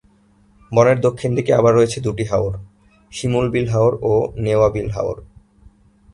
বনের দক্ষিণ দিকে আবার রয়েছে দুটি হাওর: শিমুল বিল হাওর ও নেওয়া বিল হাওর।